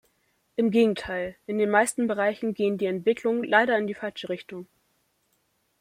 Im Gegenteil, in den meisten Bereichen gehen die Entwicklungen leider in die falsche Richtung.